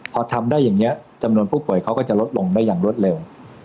พอทำได้อย่างนี้จำนวนผู้ป่วยเขาก็จะลดลงได้อย่างรวดเร็ว